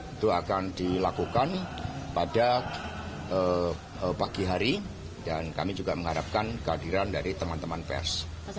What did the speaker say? itu akan dilakukan pada pagi hari dan kami juga mengharapkan kehadiran dari teman teman pers